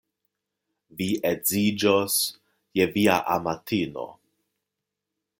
Vi edziĝos je via amatino.